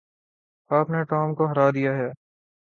آپ نے ٹام کو ہرا دیا ہے۔